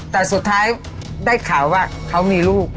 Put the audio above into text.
แต่สุดท้ายได้ข่าวว่าเขามีลูก